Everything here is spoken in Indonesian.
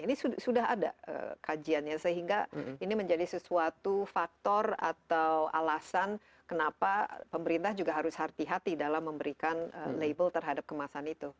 ini sudah ada kajiannya sehingga ini menjadi sesuatu faktor atau alasan kenapa pemerintah juga harus hati hati dalam memberikan label terhadap kemasan itu